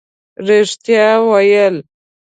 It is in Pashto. رښتیا ویل